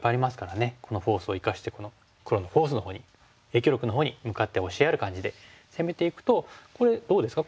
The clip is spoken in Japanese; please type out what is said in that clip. このフォースを生かしてこの黒のフォースのほうに影響力のほうに向かって押しやる感じで攻めていくとこれどうですか